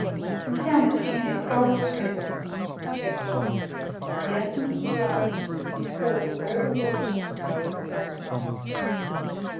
"Confound the king and his gold too," said Gluck, and he opened the flask and poured all the water into the dog's mouth.